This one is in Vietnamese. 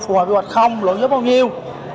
phù hợp với hoạch không lộ dấu bao nhiêu